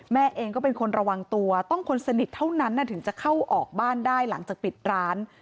แม่เองก็เป็นคนระวังตัวต้องคนสนิทเท่านั้นถึงจะเข้าออกบ้านได้หลังจากปิดร้าน